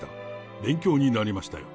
勉強になりましたよ。